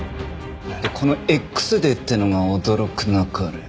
この「Ｘデー」っていうのが驚くなかれ。